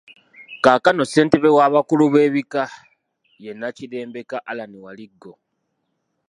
Kaakano Ssentebe w’abakulu b’ebkika ye Nakirembeka Allan Waliggo.